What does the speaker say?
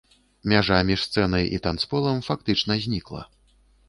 Мяжа між сцэнай і танцполам фактычна знікла.